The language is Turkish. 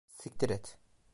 Siktir et.